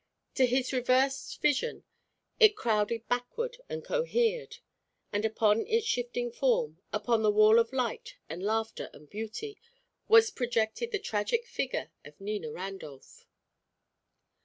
To his reversed vision, it crowded backward and cohered. And upon its shifting front, upon the wall of light and laughter and beauty, was projected the tragic figure of Nina Randolph.